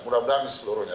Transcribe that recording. mudah mudahan ini seluruhnya